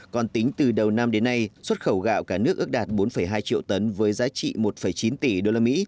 còn tính từ đầu năm đến nay xuất khẩu gạo cả nước ước đạt bốn hai triệu tấn với giá trị một chín tỷ đô la mỹ